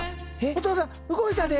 お父さん動いたで！